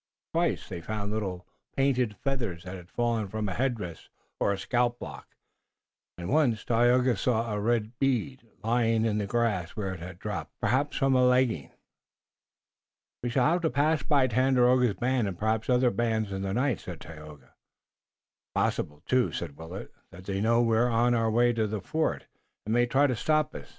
Twice they found little painted feathers that had fallen from a headdress or a scalplock, and once Tayoga saw a red bead lying in the grass where it had dropped, perhaps, from a legging. "We shall have to pass by Tandakora's band and perhaps other bands in the night," said Tayoga. "It's possible, too," said Willet, "that they know we're on our way to the fort, and may try to stop us.